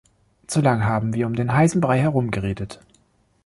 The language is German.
Zu lange haben wir um den heißen Brei herum geredet.